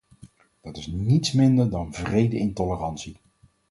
Dat is niets minder dan wrede intolerantie.